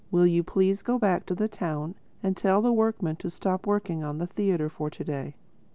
Will you please go back to the town and tell the workmen to stop working on the theatre for to day?